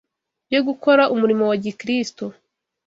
yo gukora umurimo wa Gikristo